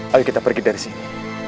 ayo kita pergi dari sini